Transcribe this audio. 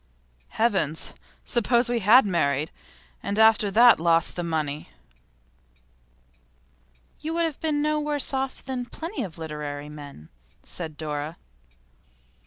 Heavens! Suppose we had married, and after that lost the money!' 'You would have been no worse off than plenty of literary men,' said Dora.